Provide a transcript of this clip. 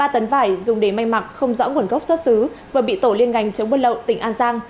ba tấn vải dùng để may mặc không rõ nguồn gốc xuất xứ vừa bị tổ liên ngành chống buôn lậu tỉnh an giang